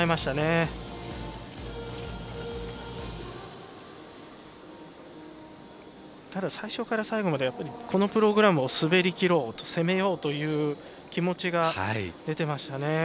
ただ、最初から最後までこのプログラムを滑り切ろう攻めようという気持ちが出ていましたね。